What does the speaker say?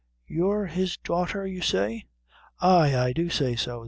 "You're his daughter, you say?" "Ay, I do say so."